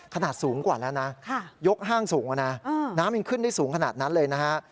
สูงกว่าแล้วนะยกห้างสูงแล้วนะน้ำยังขึ้นได้สูงขนาดนั้นเลยนะฮะ